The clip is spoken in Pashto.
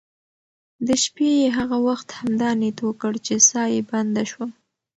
د شپې یې هغه وخت همدا نیت وکړ چې ساه یې بنده شوه.